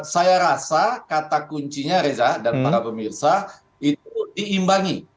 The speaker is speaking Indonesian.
saya rasa kata kuncinya reza dan para pemirsa itu diimbangi